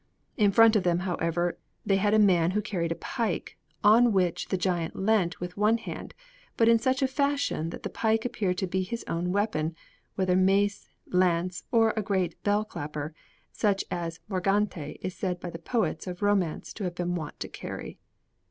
In front of them, however, they had a man who carried a pike, on which the giant leant with one hand, but in such a fashion that the pike appeared to be his own weapon, whether mace, lance, or a great bell clapper, such as Morgante is said by the poets of romance to have been wont to carry.